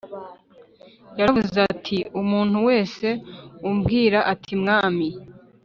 Yaravuze ati umuntu wese umbwira ati mwami